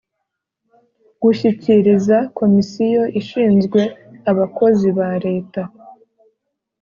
Gushyikiriza Komisiyo ishinzwe abakozi ba Leta